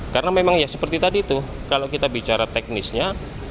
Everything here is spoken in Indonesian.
karena memang ya seperti tadi itu kalau kita bicara teknisnya